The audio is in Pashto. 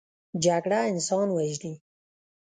جګړه انسان وژني